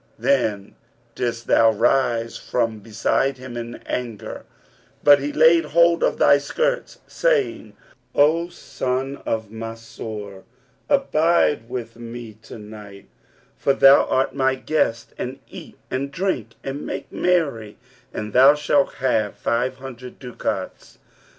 Then didst thou rise from beside him in anger; but he laid hold of thy skirts, saying: 'O son of Mansur, abide with me to day, for thou art my guest, and eat and drink and make merry; and thou shalt have thy five hundred ducats.'